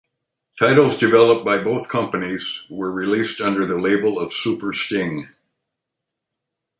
Titles developed by both companies were released under the label of Super Sting.